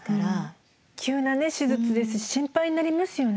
急なね手術ですし心配になりますよね。